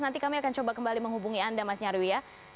nanti kami akan coba kembali menghubungi anda mas nyarwi ya